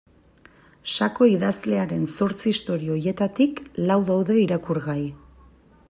Sako idazlearen zortzi istorio horietarik lau daude irakurgai.